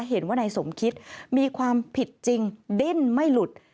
เห็นว่านายสมคิดมีความผิดจริงดิ้นไม่หลุด